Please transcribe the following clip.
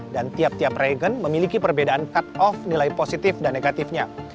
dan tiap tiap regen memiliki perbedaan cut off nilai positif dan negatifnya